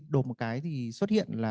đột một cái thì xuất hiện là